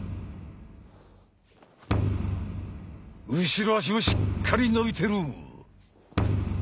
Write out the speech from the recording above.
後ろ足もしっかり伸びてる！